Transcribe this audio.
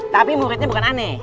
tapi muridnya bukan aneh